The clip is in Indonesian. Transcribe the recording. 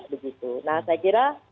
begitu nah saya kira